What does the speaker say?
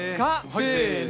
せの。